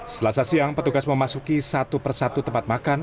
setelah sasiang petugas memasuki satu persatu tempat makan